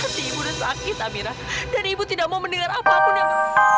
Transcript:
hati ibu udah sakit amira dan ibu tidak mau mendengar apa apa yang